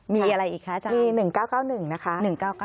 มีอะไรอีกคะอาจารย์มี๑๙๙๑นะคะ